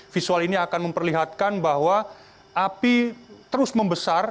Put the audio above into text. visual ini akan memperlihatkan bahwa api terus membesar